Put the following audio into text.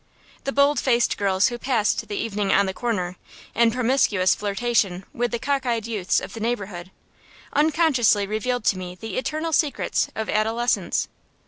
The bold faced girls who passed the evening on the corner, in promiscuous flirtation with the cock eyed youths of the neighborhood, unconsciously revealed to me the eternal secrets of adolescence.